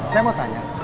saya mau tanya